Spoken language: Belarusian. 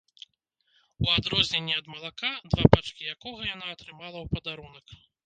У адрозненне ад малака, два пачкі якога яна атрымала ў падарунак.